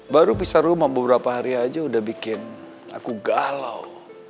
baru bisa rumah beberapa hari aja udah bikin aku galau